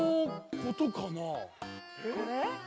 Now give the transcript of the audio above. これ？